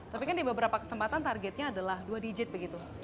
tapi kan di beberapa kesempatan targetnya adalah dua digit begitu